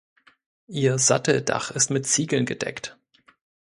Ihr Satteldach ist mit Ziegeln gedeckt.